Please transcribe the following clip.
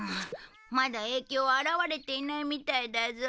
まだ影響は表れていないみたいだぞ。